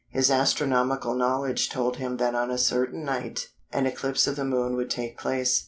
His astronomical knowledge told him that on a certain night an eclipse of the Moon would take place.